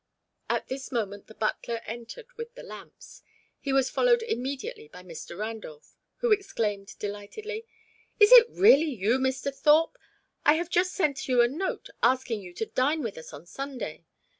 At this moment the butler entered with the lamps. He was followed immediately by Mr. Randolph, who exclaimed delightedly: "Is it really you, Mr. Thorpe? I have just sent you a note asking you to dine with us on Sunday.